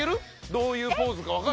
どういうポーズかわかる？